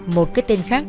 một cái tên khác